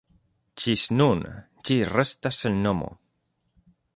Ĝis nun, ĝi restas sen nomo.